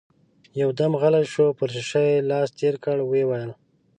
يودم غلی شو، پر شيشه يې لاس تېر کړ، ويې ويل: